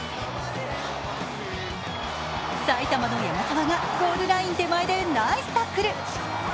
埼玉の山沢がゴールライン手前でナイスタックル。